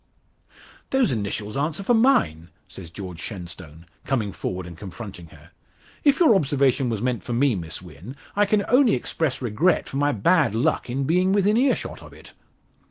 "Those initials answer for mine," says George Shenstone, coming forward and confronting her. "If your observation was meant for me, Miss Wynn, I can only express regret for my bad luck in being within earshot of it."